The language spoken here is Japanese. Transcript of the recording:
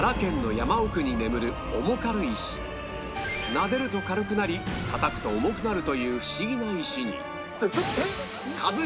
なでると軽くなり叩くと重くなるというフシギな石に